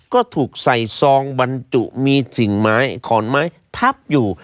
ก็ถูกใส่ซองบรรจุมีสิ่งไม้ขอนไม้ทับอยู่